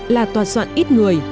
là tòa soạn ít người